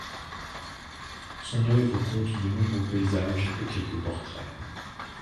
Son œuvre compte de nombreux paysages et quelques portraits.